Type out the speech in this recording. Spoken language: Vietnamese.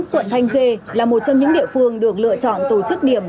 quận thanh khê là một trong những địa phương được lựa chọn tổ chức điểm